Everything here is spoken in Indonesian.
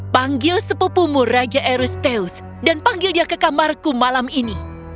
panggil sepupumu raja erusteus dan panggil dia ke kamarku malam ini